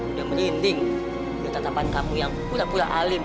udah merinding udah tetapan kamu yang pura pura alim